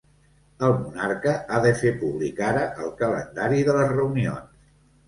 El monarca ha de fer públic ara el calendari de les reunions.